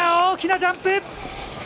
大きなジャンプ！